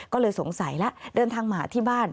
ก็เลยสงสัยแล้วเดินทางมาหาที่บ้าน